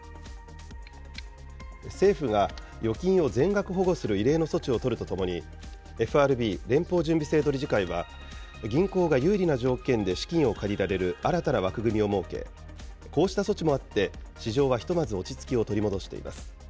政府が預金を全額保護する異例の措置を取るとともに、ＦＲＢ・連邦準備制度理事会は、銀行が有利な条件で資金を借りられる新たな枠組みを設け、こうした措置もあって、市場はひとまず落ち着きを取り戻しています。